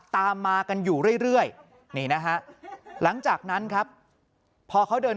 ตามมากันอยู่เรื่อยนี่นะฮะหลังจากนั้นครับพอเขาเดิน